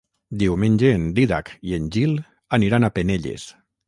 Diumenge en Dídac i en Gil aniran a Penelles.